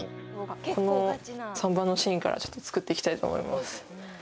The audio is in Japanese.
この３番のシーンから作っていきたいと思います